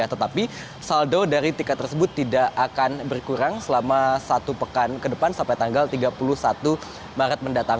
tetapi saldo dari tiket tersebut tidak akan berkurang selama satu pekan ke depan sampai tanggal tiga puluh satu maret mendatang